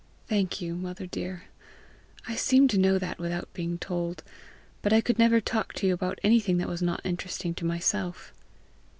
"Thank you, mother dear; I seem to know that without being told; but I could never talk to you about anything that was not interesting to myself."